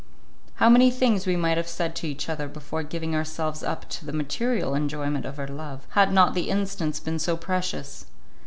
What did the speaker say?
How many things we might have said to each other before giving ourselves up to the material enjoyment of our love, had not the instants been so precious!